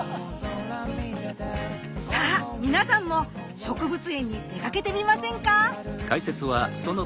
さあ皆さんも植物園に出かけてみませんか。